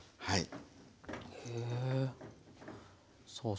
はい。